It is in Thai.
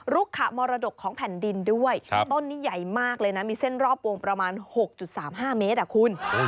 รุขมรดกของแผ่นดินด้วยครับต้นนี้ใหญ่มากเลยนะมีเส้นรอบวงประมาณหกจุดสามห้าเมตรอ่ะคุณ